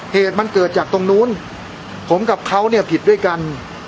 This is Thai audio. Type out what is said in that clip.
เหตุมันเกิดจากตรงนู้นผมกับเขาเนี่ยผิดด้วยกัน